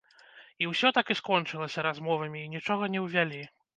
І ўсё так і скончылася размовамі, і нічога не ўвялі.